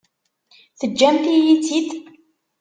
Teǧǧamt-iyi-tt-id?